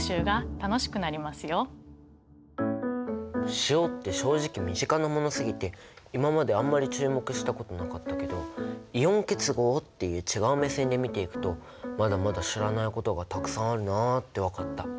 塩って正直身近なものすぎて今まであんまり注目したことなかったけどイオン結合っていう違う目線で見ていくとまだまだ知らないことがたくさんあるなって分かった。